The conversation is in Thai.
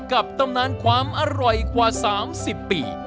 ตำนานความอร่อยกว่า๓๐ปี